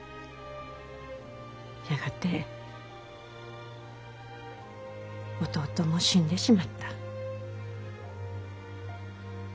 やがて弟も死んでしまった。